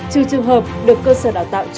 trừ trường hợp được cơ sở đào tạo cho